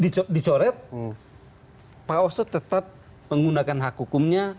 dicoret pak oso tetap menggunakan hak hukumnya